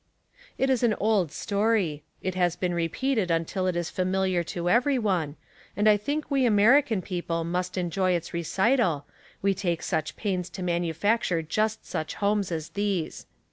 It is an old story, it has been repeated until it is familiar to every one, and I think we American people must enjoy its recital, we take such pains to manufacture, just such homes as these.